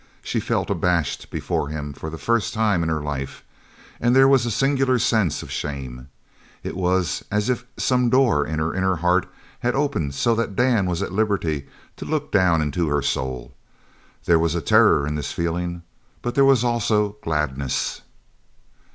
She felt abashed before him for the first time in her life, and there was a singular sense of shame. It was as if some door in her inner heart had opened so that Dan was at liberty to look down into her soul. There was terror in this feeling, but there was also gladness.